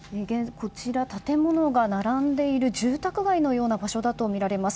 こちら、建物が並んでいる住宅街のような場所だとみられます。